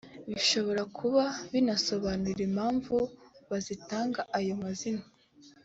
bishobora kuba binasobanura impamvu bazitaga ayo mazina